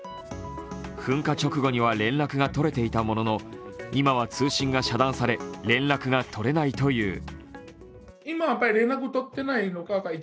噴火直後には連絡が取れていたものの今は通信が遮断され連絡が取れないという。